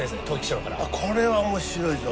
これは面白いぞ。